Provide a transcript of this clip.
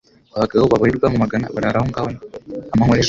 Abagabo babarirwa mu magana barara aho ngaho amanywa n'ijoro